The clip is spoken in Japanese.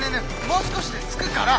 もう少しで着くから！